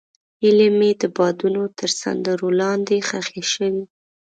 هیلې مې د بادونو تر سندرو لاندې ښخې شوې.